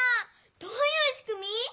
どういうしくみ？